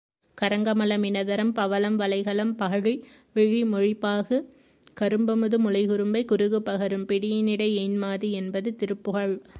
கரங்கமல மின தரம் பவளம்வளைகளம் பகழிவிழி மொழிபாகு கரும்பமுது முலைகுரும்பை குருகுபகரும் பிடியினிடை எயின்மாது என்பது திருப்புகழ்.